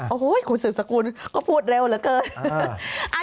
โอ้โหคุณสืบสกุลก็พูดเร็วเหลือเกิน